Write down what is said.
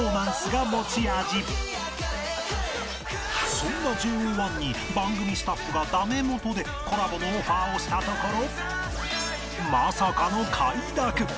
そんな ＪＯ１ に番組スタッフがダメ元でコラボのオファーをしたところまさかの快諾